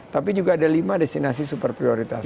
tapi juga ada lima destinasi super prioritas